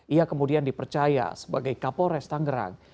ia kemudian dipercaya sebagai kapolres tangerang